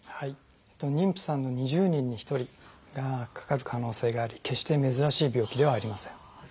妊婦さんの２０人に１人がかかる可能性があり決して珍しい病気ではありません。